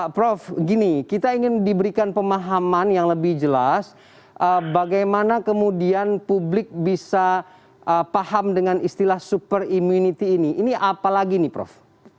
prof gini kita ingin diberikan pemahaman yang lebih jelas bagaimana kemudian publik bisa paham dengan istilah super immunity ini ini apalagi nih prof